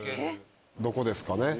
どこですかね？